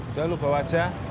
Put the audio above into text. udah lu bawa aja